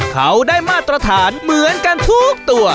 เขาได้มาตรฐานเหมือนกันทุกตัว